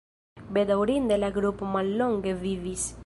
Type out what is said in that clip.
Bedaŭrinde la grupo mallonge vivis.